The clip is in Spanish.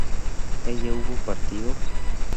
¿ella hubo partido?